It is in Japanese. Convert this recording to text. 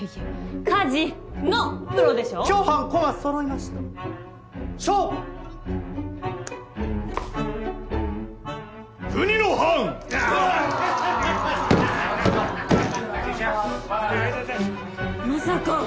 まさか！